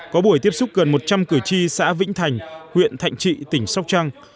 có buổi tiếp xúc gần một trăm linh cử tri xã vĩnh thành huyện thạnh trị tỉnh sóc trăng